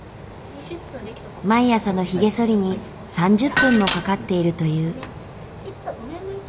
毎朝のヒゲそりに３０分もかかっているという。